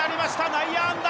内野安打！